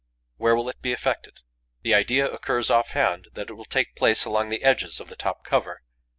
Where will it be effected? The idea occurs off hand that it will take place along the edges of the top cover.